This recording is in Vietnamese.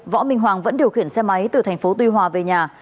võ minh hoàng vẫn điều khiển xe máy từ thành phố tuy hòa về nhà